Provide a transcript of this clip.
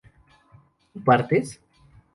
¿tú partes?